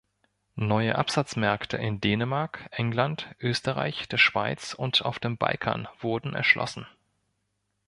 Neue Absatzmärkte in Dänemark, England, Österreich, der Schweiz und auf dem Balkan wurden erschlossen.